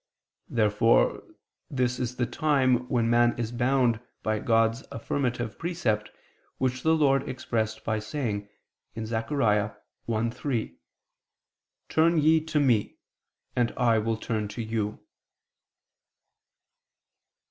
Therefore this is the time when man is bound by God's affirmative precept, which the Lord expressed by saying (Zech. 1:3): "Turn ye to Me ... and I will turn to you."